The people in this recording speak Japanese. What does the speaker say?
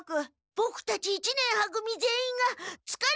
ボクたち一年は組全員がつかれていたせいです。